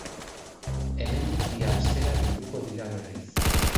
Hemendik bi astera bilduko dira berriz.